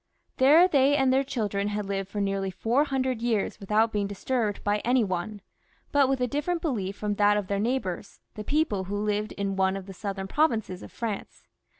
There they and their children had lived for nearly four hundred years without being disturbed by any one ; but with a different belief from that of their neighbours, the people who lived in one of the southern provinces of France.